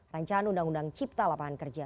rancangan undang undang cipta lapangan kerja